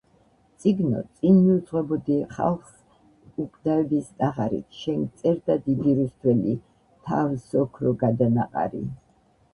წიგნო წინ მიუძღვებოდი ხალს უკვდავების ნაღარით, შენ გწერდა დიდი რუსთველი თავსოქროგადანაყარი!